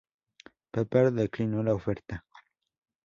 Pepper declinó la oferta.